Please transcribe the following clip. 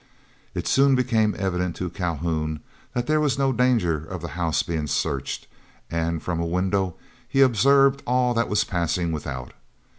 It soon became evident to Calhoun that there was no danger of the house being searched, and from a window he observed all that was passing without.